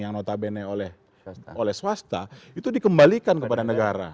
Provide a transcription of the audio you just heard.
yang notabene oleh swasta itu dikembalikan kepada negara